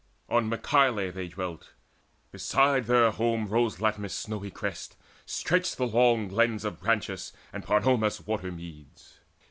On Mycale they dwelt; beside their home Rose Latmus' snowy crests, stretched the long glens Of Branchus, and Panormus' water meads.